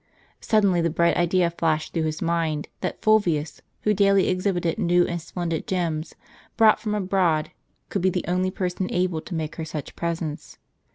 Suddenly the bright idea flashed through his mind, that Fulvius, who daily exhibited new and splendid gems, brought from abroad, could be the only person able to make her such presents.